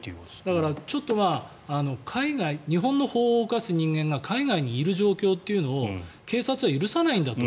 だから、ちょっと日本の法を犯す人間が海外にいる状況というのを警察は許さないんだと。